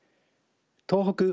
東北